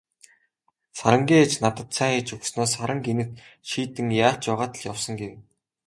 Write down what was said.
Сарангийн ээж надад цай хийж өгснөө "Саран гэнэт шийдэн яарч байгаад л явсан" гэв.